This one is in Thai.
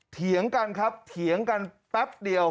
เถียงกันครับเถียงกันแป๊บเดียว